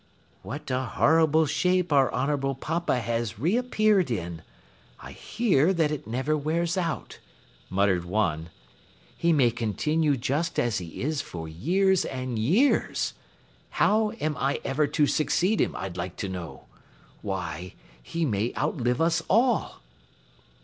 "What a horrible shape our honorable Papa has reappeared in. I hear that it never wears out," muttered one. "He may continue just as he is for years and years. How am I ever to succeed him, I'd like to know. Why, he may outlive us all!"